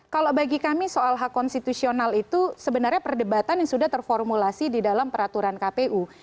kalau bagi kami soal hak konstitusional itu sebenarnya perdebatan yang sudah terformulasi di dalam peraturan kpu